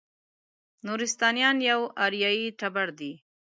نورستانیان یو اریایي ټبر دی.